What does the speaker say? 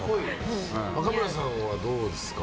若村さんはどうですか？